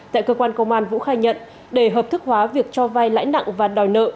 tại cơ quan công an vũ khai nhận để hợp thức hóa việc cho vai lãi nặng và đòi nợ